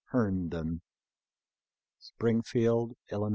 Herndon. Springfield, III.